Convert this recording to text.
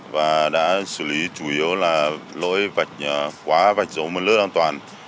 và đã xử lý chủ yếu là lỗi vạch quá vạch dấu mực nước an toàn